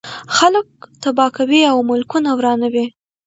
خلک تباه کوي او ملکونه ورانوي.